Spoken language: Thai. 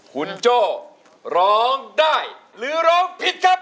คุณโจ้ร้องได้หรือร้องผิดครับ